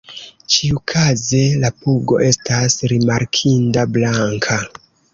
Ĉiukaze la pugo estas rimarkinda blanka.